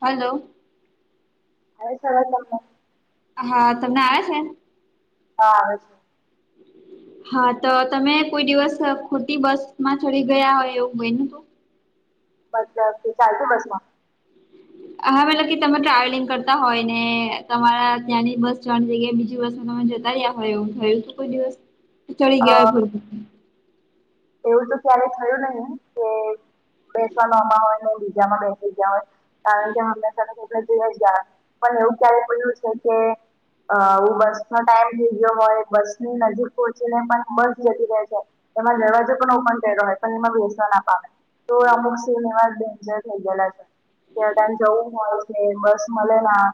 Hello. આવે છે અવાજ તમને? હા તમને આવે છે? હા આવે છે. હા તો તમે કોઈ દિવસ ખોટી બસ માં ચડી ગયા હોય એવું બયનુ હતું? મતલબ કે ચાલતી બસમાં? હા મતલબ કે તમે ટ્રાવેલિંગ કરતા હોય ને તમારા ત્યાંની બસ જવાની જગ્યાએ બીજી બસમાં જતા રહ્યા થયું એવું થયું તું કોઈ દિવસ? ચડી અ ગ્યા [unintelligible] એવું તો ક્યારે થયું નહીં, કે બેસવાનું આમાં હોય, ને બીજામાં બેસી ગ્યા હોય. કારણ કે હંમેશા તો [unintelligible] થોડ જ ગ્યા. પણ એવું ક્યારે થયું છે કે અ હું બસ નો ટાઈમ થઈ ગ્યો હોય, બસની નજીક પહોંચીને પણ બસ જતી રહે છે. [unintelligible] દરવાજો પન ઓપન કયરો હોય, પણ એમાં બેસવા ના પામે. તો અમુક સીન એવા ડેન્જર થઈ ગયેલા છે. [unintelligible] જવું હોય છે, બસ મલે ના.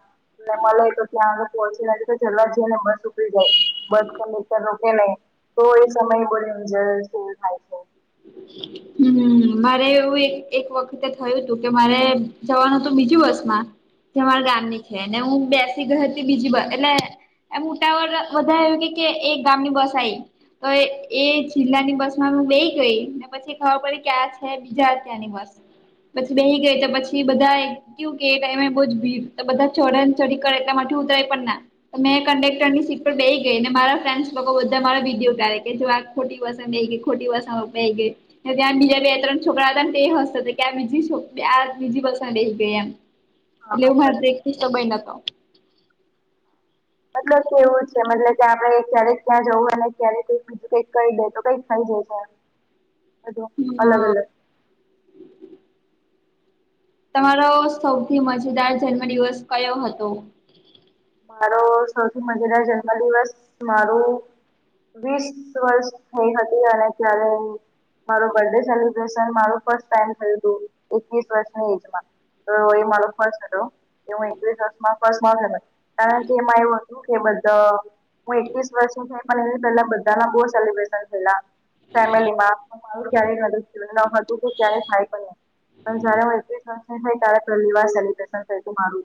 ને મલે, તો ત્યાં આગળ પહોંચી ને હજુ તો ચડવા જ જઈયે ને બસ ઉપડી જાય. બસ કંડક્ટર રોકે નહીં, તો એ સમય બો ડેન્જર છે. હમ્મ. હમ્મ, મારે એવું એક એક વખતે થયું હતું, કે મારે જવાનું હતું બીજું બસમાં જે મારા ગામની છે, ને હું બેસી ગઈ હતી બીજી બ એટલે એમ ઉટાવળ બધા એવુ કે કે, એક ગામની બસ આઈ. તો એ એ જિલ્લાની બસ માં હું બેઈ ગઈ, ને પછી ખબર પડી કે આ છે બીજા ત્યાંની બસ. પછી બેહી ગઈ તો પછી બધા એ કેવુ કે એ ટાઈમે બો જ ભીડ, તો બધા ચડમચડી કરે એટલે મારથી ઉતરાય પણ ના. તો મેં કંડક્ટરની સીટ પર બેહી ગઈ, ને મારા ફ્રેન્ડસ લોકો બધા મારો વિડીયો ઉતારે, કે જો આ ખોટી બસમાં બેહી ગઈ, ખોટી બસમાં બેહી ગઈ. તો ત્યાં બીજા બે ત્રણ છોકરા હતા ન, તે ય હસતા તા કે આ બીજી સુ, આ બીજી બસમાં બેહી ગઈ એમ. હા એટલે હા એવું માર તો બરાબર. એક કિસ્સો બયનો તો. મતલબ કેવું છે, મતલબ કે આપણેે ક્યારેક ક્યાં જવું ને ક્યારેક કઈક કઈ દે તો કઈક થઈ જાય છે, બધું અલગ હા અલગ. તમારો સૌથી મજેદાર જન્મ દિવસ કયો હતો? મારો સૌથી મજેદાર જન્મ દિવસ મારું વીસ વર્ષ થઈ હતી, અને ત્યારે મારુ બર્થ ડે સેલિબ્રેશન મારુ ફર્સ્ટ ટાઈમ થયું તું, એકવીસ વર્ષની એજમાં. તો એ મારો ફર્સ્ટ હતો, એ હું એકવીસ વર્ષ માં. [unintelligible] કારણ કે, એમાં એવું હતું, કે બધા હું એકવીસ વર્ષની થઈ, પણ એની પેલા બધાના બોવ સેલિબ્રેશન થયેલા ફેમિલીમાં. મારુ ક્યારેય નહતું થ્યું, ને એવુ હતું કે, ક્યારેય થાય પણ નહીં. પણ જયારે હું એકવીસ વર્ષની ની થઈ તી, તારે પેલ્લી વાર સેલિબ્રેશન થયું તું, મારું.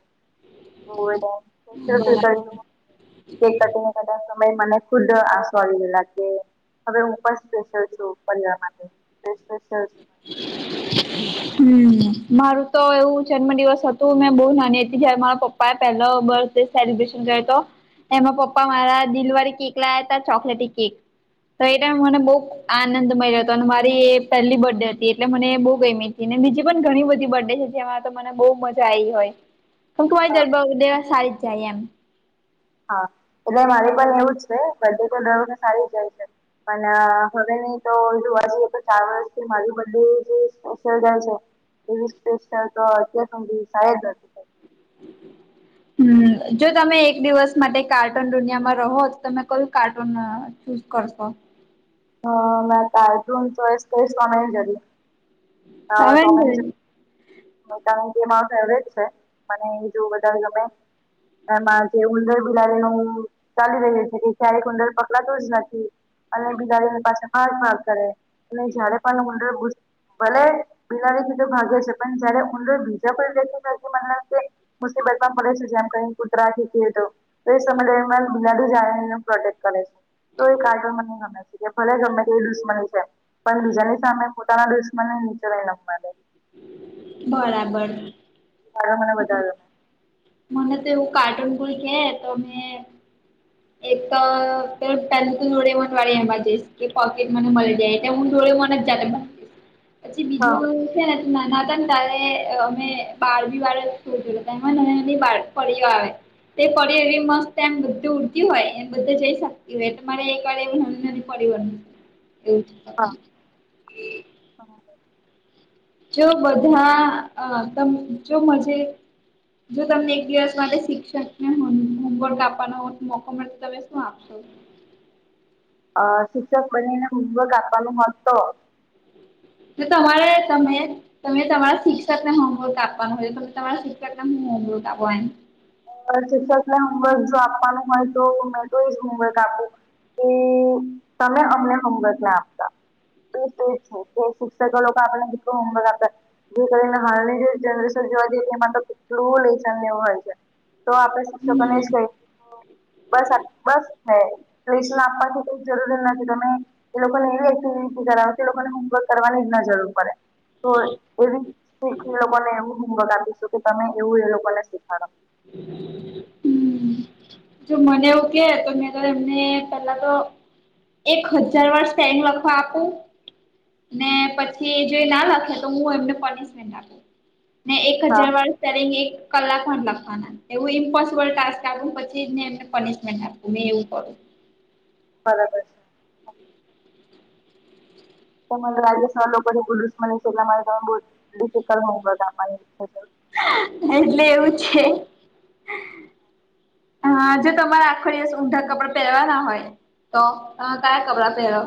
બરાબર [unintelligible] કેક કટિંગના કરતા સમયે મને ખુદ આંસુ આવી ગેયલા, કે હવે હું પણ સ્પેશિયલ છું, પરિવાર માટે. સ્પેશયલ હમ હમ્મ. મારું તો એવું જન્મ દિવસ હતું, મેં બોહ નાની હતી જ્યારે મારા પપ્ પાએ પેહલો બર્થ ડે સેલિબ્રેશન કર્યો તો. એમાં પપ્પા મારા દિલવારી કેક લાયા તા, ચોકલેટી કેક. તો એ ટાઈમ મને બહુ આનંદ મયળો હતો, ને મારી એ પહેલી બર્ડે હતી. તી, એટલે મને બહુ ગયમીને બીજી પણ ઘણી બધી બર્થ ડે છે, જેમાં તો મને બહુ મજા આઈ હોય. [unintelligible] હા હા દેવા સારી જ જાય એમ. હા, એટલે મારી પણ એવું જ છે. બરડે તો દર વખતે સારી જ જાય છે. અને, હવે નહી તો જોવા જઈએ તો ચાર વર્ષથી મારી બરડે જે [unintelligible] છે. એવી સ્પેશયલ તો અત્યાર સુધી સાય જ નથી થઈ. હમ્મ. જો તમે એક દિવસ માટે કાર્ટૂન દુનિયામાં રહો, તો તમે કયું કાર્ટૂન ચૂઝ કરશો. હ મે કાર્ટુન ચોસ કરીસ ટોમેન જરી અ ટોમેન જરી, [unintelligible] ણ કે ફેવરેટ છે, મને જો વધારે ગમે, એમાં જે ઉંદર બિલાડીનું, ચાલી રહ્યું છે કે ક્યારે ઉંદર પકડાતું જ નથી. અને બિગાડીની પાછે ભાગ ભાગ કરે અને જ્યારે પણ ઉંદર ઘૂસ ભલે, બિલાડી થી તો ભાગે છે પણ જ્યારે ઉંદર બીજા કોઈ, [unintelligible] પાસે [unintelligible] મુસીબતમાં પડે છે જેમ કરીને કુતરા થી [unintelligible] તો, તે સમય [unintelligible] પ્રોટેેક્ટ કરે છે તોય [unintelligible] ભલે ગમે તે દુશ્મન આવી જાય, પણ બીજાની સામે પોતાના દુશ્ મન ને નીચે નહી નમવા દે. બરાબર હવે મને વધાયો, મને તો એવું કાર્ટૂન કોઈ કે તો મે એક તો પેલુ [unintelligible] એમાં જઈશ કે પોકેટ મની મળી જાય, એ હું ડોરીમોન જ જાતે બન, પછી બીજું ગમે અમે નાના હતા ત્યારે અમે બાર્બી વાળો શો જોતા અને, ની બાર પરીઓ આવે, એ પરી એવી મસ્ત એમ બધું ઉડતી હોય એમ બધે જઈ શ [unintelligible] મારે એકવાર એવુ છ [unintelligible] ફરી વળું, એવું છે. હા જો બધા અ તમ જો મન્જે, જો તમને એક દિવસ માટે શિક્ષક ને હોમ હોમવર્ક આપવાનો મોકો મળતો તમે શું આપો આપશો અ શિક્ષક બનીને હોમવર્ક આપવાનું હોત તો જો તમારે તમે તમે તમારા શિક્ષક ને હોમવર્ક આપવાનું હોય તમારા શિક્ષકને હુ હોમવર્ક આપો એમ શિક્ષકને હોમવર્ક જો આપવાનું હોય તો મેં તો એ જ હોમવર્ક આપું કી તમે અમને હોમવર્ક ના આપતા, [unintelligible] શિક્ષકો લોકો આપણને કેટલો હોમવર્ક આપે, જે કરીને હાલની જે જનરેશન જોવા જઈ એમાં તો કેટલું લેઈશને વું હોય છે. તો આપણે શિક્ષકોને એજ હમ્મ. કહી બસ આ બસને લેશન આપવાથી કઈ જરૂરી નથી તમે એ લોકોને એવી એક્ટિવિટી કરાવે કે લોકોને હોમવર્ક કરવાની જ ના જરૂર પડે તો એવી શી એ લોકોને એવું હોમવર્ક આપીશું કે તમે એવું એ લોકોને શીખાડો હમ્મ જો મને એવું કે તો મેં તો એમને પહેલા તો એક હજાર વર્ષ સ્પેલિગ લખવા આપુ, ને પછી જો ના લખે તો હું એમને પનિશમેન્ટ આપું ને એક હા હજાર વાર સ્પેલિંગ એક કલાક માં જ લખવાના એવું ઇમ્પોસિબલ ટાસ્ આપુ ને પ છી ને પનિશમેન્ટ આપું મે એવું કરું બરાબર છે. તમ રાજસ્થાન લોકોને [unintelligible] આપવાની, [inaudible] એટલે એવું છે હા જો તમારે આખો દિવસ ઊંધા કપડા પેરવાના હોય, તો તમે કયા કપડા પહેરો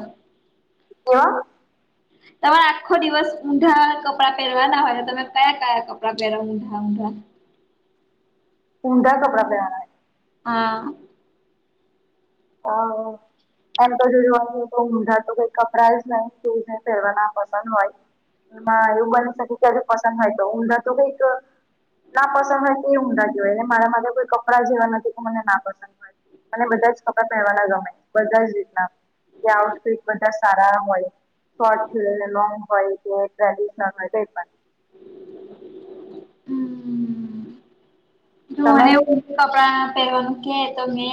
એવા તમારે આખો દિવસ ઊંંધા કપડાં પહેરવાના હોય ને તમે કયા કયા કપડાં પહેર ઊંધાં ઊંધા ઊંધા કપડાં પહેરવાના હોયે હા હા એવુ એમ તો જો જો તો ઊંઢા તો કઈ કપડા જ નહી પહેરવા ના પસંદ હોય એમાં એવું બની શકે ક્યારેક પસંદ હોય તો ઊંધા તો કઈક ના પસંદ હોય તો એ ઊંધા હોય મારા માટે કોઈ કપડાં જેવા નથી તો મને ના પસંદ હોય અને બધા જ કપડાં પહેરવાના ગમે બધાજ રીતના કે આઉટફિટ બધા સારા હોય શોર્ટ છેને લોંગ હોય કે ટ્રેડિશનલ હોય કય પન હમ જો તમે મને એવુ ઊંધા કપડાં પહેરવાનુ કે તો મે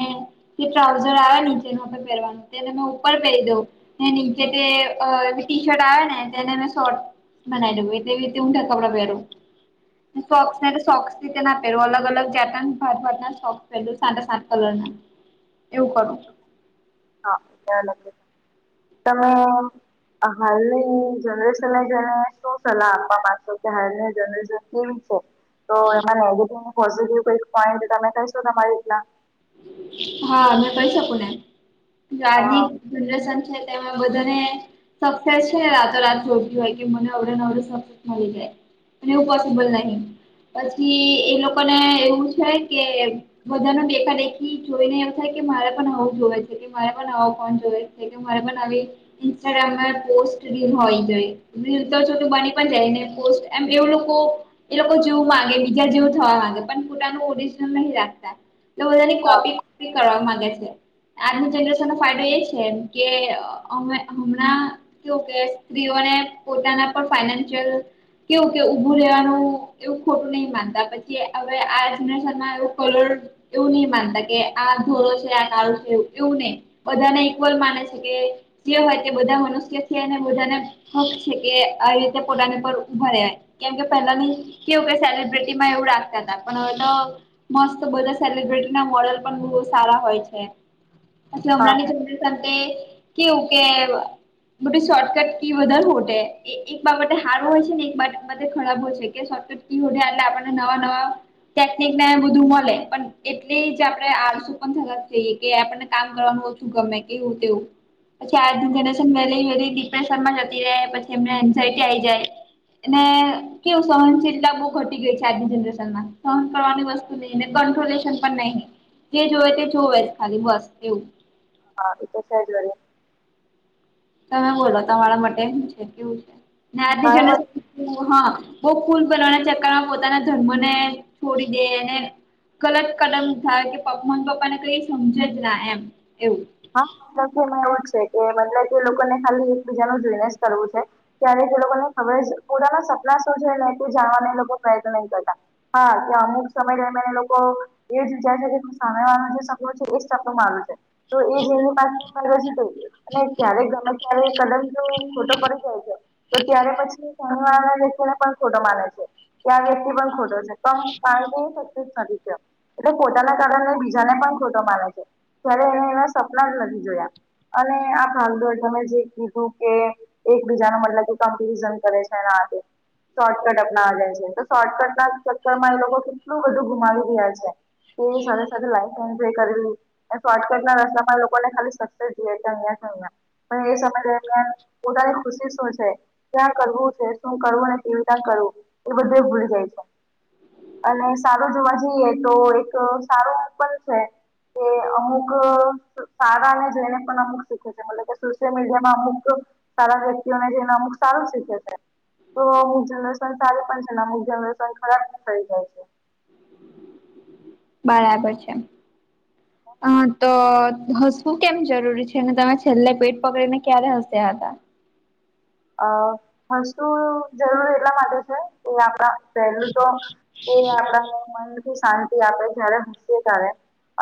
જે ટૃવઝાર આયા નીચે પહેરવાના તૈને મેં ઊપર પેરી દવ નીચે તે ટી શર્ટ આવ ને તેને મે શોટ બનાવી દઉં એટલે એ રીતે ઊંઠા કપડા પહેરું સોક્સ સોક્સતે ના પહેરું અલગ અલગ જાત ના ને ભાત ભાત ના શોક પેરુ સાતે સાત કલરના એવું કરૂ હા [unintelligible] તમે હાલની જનરેશનને જેને શું સલાહ આપવા માંગશો કે હાલના જનરેશન કેવી છે તો એમાં નેગેટિવ પોઝિટિવ કઈ પોઈન્ટ તમે કહીશો તમારી રીતના હા મેં કહી શકું ને આ હા જનરેશન છે તેમાં બધાને સક્સેસ છે રાતો રાત જોડતી હોય કે મને અવડેને અવડું સક્સેસ મળી જાય અવુ પોસિબલ નહી પછી એ લોકો ને એવું છે કે બધા નું દેખા દેખી ઈજોઈને એમ થાય કે મારે પણ આવું જોવે છે કે મારે પણ આવ ફોન જોવે છે કે મારે પણ આવી ઇન્સ્ટાગ્રામ પોસ્ટ રીલ હોય જોઈ રીલ તો બની પણ જાયને પોસ્ટ એમ એવ લોકો એ લોકો જેવું માંગે બીજા જેવું થવા માંગે પણ પોતાનું ઓરિજિનલ નહી રાખતા બધાની હા કોપી કોપી કરવા માંગે છે આજની જનરેશન નો ફાયદો એ છે કે અમે હમણાં કેવું કે સ્ત્રીઓને પોતાના પણ ફાઈનાન્શિયલ કેવું કે ઉભું રહેવાનું એવું ખોટું નહી માનતા પછી હવે આ જન એ કલર એવું નહી માનતા આ ધોરોછે આ કાળો છે એવું નહી બધાને ઈક્વલ માને છે કે જે હોય તે બધા મનુષ્ય છે ને બધાને હક છે કે આવી રીતે પોતાની પર ઉભા રહેવાય કેમ કે પહેલાની કેવું સેલિબ્રિટીમાં એવું રાાગતા હતા પણ તો મસ્ત બોલો સેલિબ્રિટી એના મોડલ પણ બો સારા હોય છે એટ હા હમણાં ની હા જનરેશન [unintelligible] કેવું કે શોર્ટકટ કી વધારે ખોટે એક બાબતે હાર હોય છે ને એક બા ખરાબ હોય છે કે શોર્ટકટ ઇ હોધે એટલે આપને નવા નવા ટેકિકને બધું મળે પણ ઇ તે જ આપણે આસું થ જઈએ કે આપણને કામ કરવાનું વધુ ગમે કેવું તેવું પછી આજની જનરેશન વહેલી વેલી ડિપ્રેશન માં જતી રહે પછી એમને એન્ઝાયટી આ આવી જાય એને કેવું સહનશીલતા બઉ ઘટી ગઈ છે આજની જનરેશનમાં સહન કરવાની વસ્તુ નઈ ને ક્રોટોલેશન પણ નહી જે જોવે તે જોવે જ ખાલી બસ એવું હા ઇતો છે જ વરી તમે બોલો તમારા માટે હું છે કેવું છે ને આજની મારા મતે જનરેશન માં હું હ બહ ફૂલ બનવાના ચક્કરમાં પોતાના ધર્મને છોડી દેને ગલત કદમ થાય કે પગ મન પપ્પાને કઈ સમજે જ ના એમ એવું હા તોકે એમાં એવું છે કે મતલબ કે લોકોને ખાલી એકબીજા નુ જોઈને જ કરવું છે ત્યારે તે લોકોને ખબર જ પોતાના સપના શું છે ને એ જાણવાને એ લોકો પ્રયત્ન નહીં કરતા હા ત્યા અમુક સમય રયમયને લોકો એ જ વિચારસે કે સામે વાળા નું જે સપનુ છે એ જ સપનુ મારૂ છે તો એ જેની પાસે ફરવા જતુ અને ક્યારેક ગમે ત્યારે કદમ જો ખોટો પડી જાય છે તો ત્યારે પછી સામેવાળા વ્યક્તિ ને પણ ખોટો માને છે ત્યાં વ્યક્તિ પણ ખોટો છે પણ [inaudible] નથી ત્યાં એટલે પોતાના કારણેને બીજાને પણ ખોટો માને છે ત્યારે એને એના સપના જ નથી જોયા અને આ ભાગ દોડ તમે જે કીધું કે એકબીજા નો મતલબ કે કમ્પેરિઝન કરે છે ને આતે શોર્ટકટ અપનાવા જાય છે તો શોર્ટકટ ના ચક્કરમાં એ લોકો કેટલું બધું ગુમાવી રહ્યા છે. એની સાથે સાથે લાઈફ એન્જોય કરેલી એ શોર્ટકટ ના રસ્તા લોકોને ખાલી સક્સેસ જેયે તો અહિયાં કે અહિયાં પણ એ સમય દરમિયાન પોતાની ખુશી શું છે. ક્યાં કરવું છે, શું કરવું અને કે ચિંતા કરવું એ બધું ભૂલ જાય છે, અને સારું જોવા જઈએ તો એક સારું પણ છે, કે અમુક, સારા અને જેઈને પણ અમુક શીખે છે, મતલબ કે સોશિયલમીડિયામાં અમુક સારા વ્યક્તિઓને જોઈને અમુક સારું શીખે છે, તો અમુક જનરેસન સારી પણ છે, ને અમુક જનરેસન ખરાબ પણ થઈ જાય છે. બરાબર છે, અ તો હ શું કેમ જરૂરી છે, ને તમે છેલ્લે પેટ પકડીને ક્યારે હસ્યા હતા. અ હસવું જરૂરી એટલા માટે છે, કે આપણા પહેલું તોએ આપણા મન શાંતિ આપે જ્યારે હશીયે ત્યારે,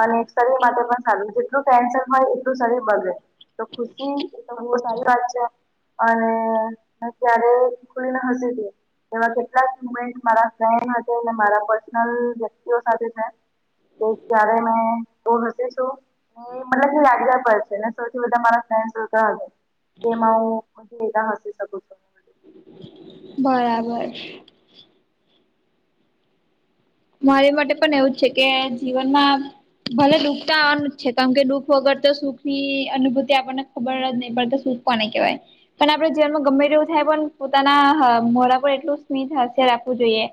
અને શરીર માટે પણ સારું જેટલું ટેનસન હોય એટલું શરીર બગડે, તો ખુશી બહુ સારી વાત છે, અને અને ક્યારે ખુલીને હશીતી એવા કેટલાક મુમેન્ટ મારા ફેન્ડ સાથે મારા પર્સનલ વ્યક્તિઓ સાથે છે તો ક્યારે મે એવું હસી છુ મતલબ [unintelligible] પડશે ને સૌથી બધા મારા ફ્રેન્ડ [unintelligible] આગળ. કેમાં હું [unintelligible] હસી શકું છું બરાબર, મારી માટે પણ એવું જ છે, કે જીવનમાં ભલે દુઃખતા આવાનુ છે, કારણ કે દુઃખ વગર તો સુખની અનુભૂતિ આપણને ખબર જ નહી પડતા સુખ કોને કહેવાય, પણ આપડે જીવનમાં ગમે એવું થાય પણ પોતાના મોઢા પર એટલું સ્મિત હાસ્ય રાખવું જોઈએ,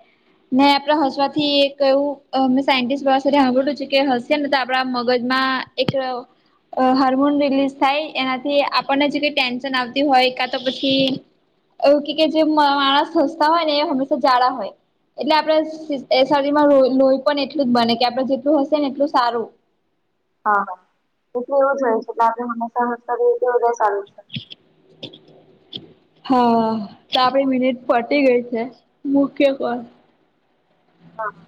નહીં આપડે હસવા, થી એક એવુ અ સાયન્ટીસ્ટ પાસેથી હાભળ્યું છે, કે હશીયેને તો આપડા મગજમાં એક હાર્મોન રિલીઝ થાય એનાથી આપણને જે કઈ ટેન્શન આવતી હોય કાતો પછી એવું કેજે માણસ હસ્તા હોય નેએ હંમેશા જાળા હોય એટલે આપણે એ શરીરમાં લોહી લોહી પણ એટલું જ બને કે આપડે જેટલું હશે ને એટલું સારું, હા, હા એટલે એવું જ હોય છે, આપણે હંમેશા હસતા રહીએ એ [unintelligible] સારું છે. હાતો આપડી મિનિટ પટી ગઈ છે, મુકીએ ફોન હા